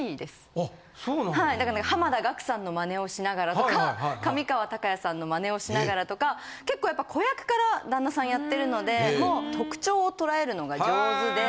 あそうなん？のマネをしながらとか。のマネをしながらとか結構やっぱ子役から旦那さんやってるのでもう特徴を捉えるのが上手で。